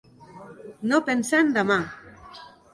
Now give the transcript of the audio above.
No pensar en demà.